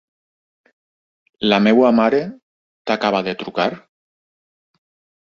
La meva mare t'acaba de trucar?